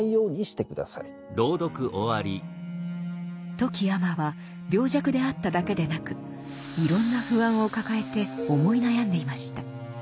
富木尼は病弱であっただけでなくいろんな不安を抱えて思い悩んでいました。